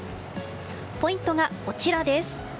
ポイントがこちらです。